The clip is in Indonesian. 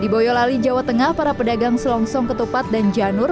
di boyolali jawa tengah para pedagang selongsong ketupat dan janur